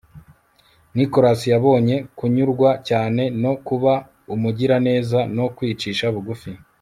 Nicholas yabonye kunyurwa cyane no kuba umugiraneza no kwicisha bugufi